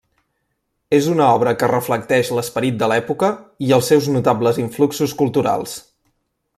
És una obra que reflecteix l'esperit de l'època i els seus notables influxos culturals.